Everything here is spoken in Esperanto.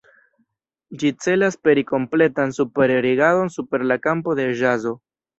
Ĝi celas peri kompletan superrigardon super la kampo de ĵazo.